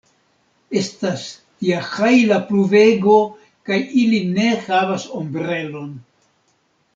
Estas tia hajla pluvego kaj ili ne havas ombrelon!